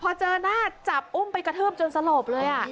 พอเจอหน้าจับอุ้มไปกระทืบจนสลบเลย